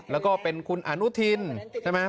แล้วก็เป็นคุณอนุทินใช่ไหม